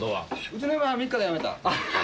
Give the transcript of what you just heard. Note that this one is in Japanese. うちの嫁は３日でやめた。